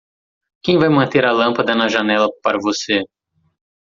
Quem vai manter a lâmpada na janela para você.